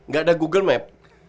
gak ada google map